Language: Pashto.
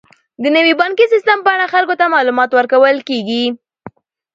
د نوي بانکي سیستم په اړه خلکو ته معلومات ورکول کیږي.